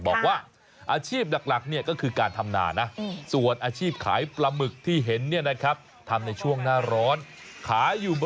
บอกว่าอาชีพหนักก็คือการทำหน้านะ